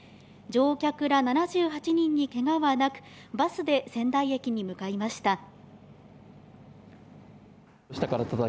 乗客ら７８人にけがはなく、バスで仙台駅に向かいました。